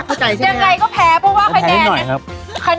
เข้าใจใช่ไหมแพ้หน่อยครับยังไงก็แพ้เพราะว่าคะแนน